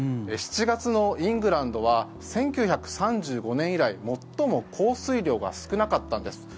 ７月のイングランドは１９３５年以来最も降水量が少なかったんです。